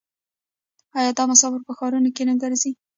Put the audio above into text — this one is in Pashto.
آیا دا مسافر په ښارونو کې نه ګرځي؟